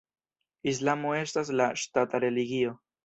Islamo estas la ŝtata religio.